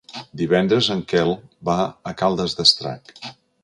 Divendres en Quel va a Caldes d'Estrac.